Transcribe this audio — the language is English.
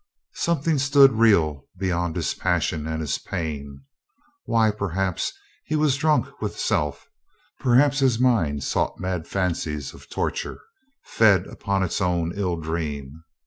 Something stood real beyond his passion and his pain. ... Why, perhaps he was drunk with self; perhaps his mind sought mad fancies of tor ture, fed upon its own ill dream.